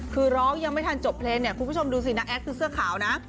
คือร้องยังไม่ทันจบเพลงเนี่ยคุณผู้ชมดูสิน้าแอดคือเสื้อขาวนะ